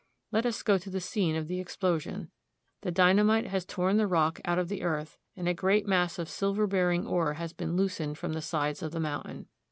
Let us go to the scene of the explosion. The dynamite has torn the rock out of the earth, and a great mass of sil ver bearing ore has been loosened from the sides of the mountain.